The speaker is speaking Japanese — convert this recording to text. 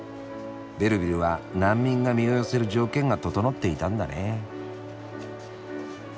ベルヴィルは難民が身を寄せる条件が整っていたんだね。